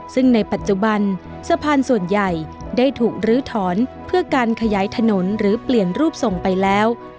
ซึ่งในปัจจุบันสะพานส่วนใหญ่ได้ถูกลื้อถอนเพื่อการขยายถนนหรือเปลี่ยนรูปส่งไปแล้ว